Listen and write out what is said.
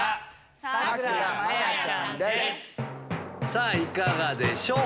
さぁいかがでしょう？